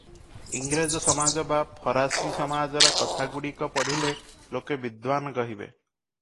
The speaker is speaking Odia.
ଇଂରେଜ ସମାଜ ବା ଫରାସୀସମାଜର କଥାଗୁଡ଼ିକ ପଢ଼ିଲେ ଲୋକେ ବିଦ୍ୱାନ୍ କହିବେ ।